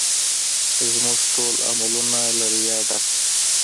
زموږ ټول عملونه له ریا ډک دي